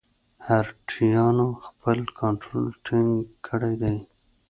مرهټیانو خپل کنټرول ټینګ کړی دی.